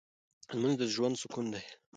لمونځ د ژوند سکون دی.